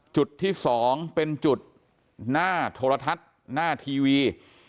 จุดที่๒เป็นจุดหน้าโทรทัศน์หน้าทีวี